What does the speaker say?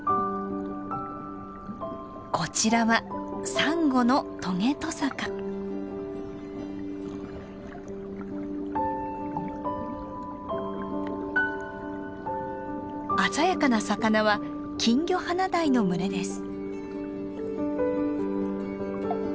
こちらはサンゴの鮮やかな魚はキンギョハナダイの群れです。